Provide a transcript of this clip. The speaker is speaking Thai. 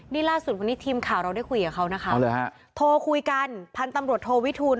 นี่ล่าสุดวันนี้ทีมข่าวเราได้คุยกับเขานะคะโทรคุยกันพันธุ์ตำรวจโทวิทูล